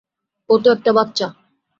ও তো একটা বাচ্চা।